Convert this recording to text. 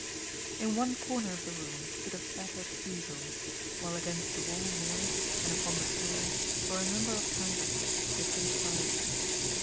In one corner of the room stood a battered easel, while against the wall near it, and upon the floor, were a number of canvases of different sizes.